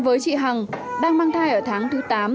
với chị hằng đang mang thai ở tháng thứ tám